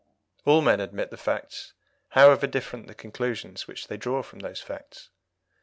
All men admit the facts, however different the conclusions which they draw from those facts.